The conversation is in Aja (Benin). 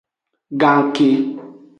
Ganke.